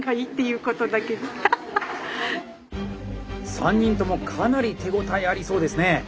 ３人ともかなり手応えありそうですね。